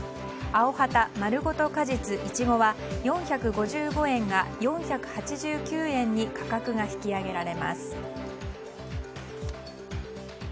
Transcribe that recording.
アヲハタまるごと果実いちごは４５５円が４８９円に価格が引き上げられます。